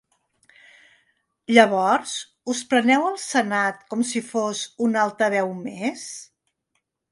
Llavors, us preneu el senat com si fos un altaveu més?